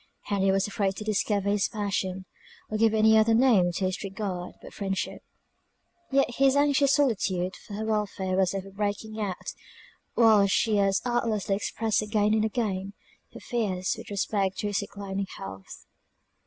Henry was afraid to discover his passion, or give any other name to his regard but friendship; yet his anxious solicitude for her welfare was ever breaking out while she as artlessly expressed again and again, her fears with respect to his declining health.